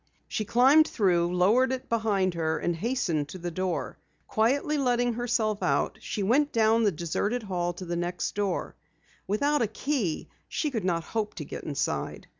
She climbed through, lowered it behind her and hastened to the door. Quietly letting herself out, she went down the deserted hall to the next door. Without a key she could not hope to get inside.